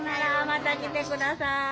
また来て下さい。